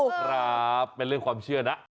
ครับเป็นเรื่องความเชื่อนะ